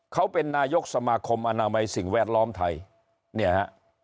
เขาเป็นนายกสมาคมอนามัยสิ่งแวดล้อมไทยเนี่ยฮะ